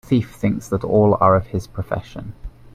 The thief thinks that all are of his profession.